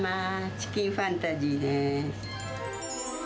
チキンファンタジーです。